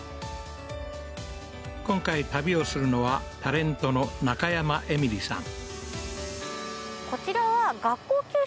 今回旅をするのはタレントの中山エミリさん